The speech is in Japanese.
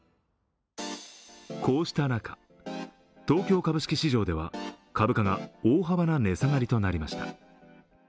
こうした中、東京株式市場では株価が大幅な値下がりとなりました。